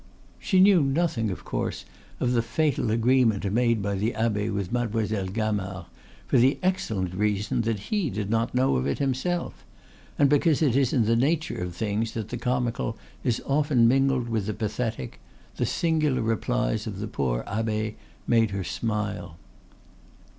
She knew nothing, of course, of the fatal agreement made by the abbe with Mademoiselle Gamard, for the excellent reason that he did not know of it himself; and because it is in the nature of things that the comical is often mingled with the pathetic, the singular replies of the poor abbe made her smile.